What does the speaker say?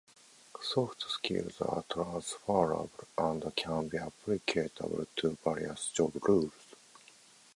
Soft skills are transferable and can be applicable to various job roles.